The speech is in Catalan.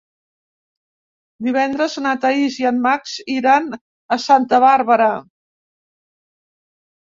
Divendres na Thaís i en Max iran a Santa Bàrbara.